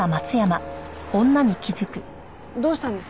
どうしたんです？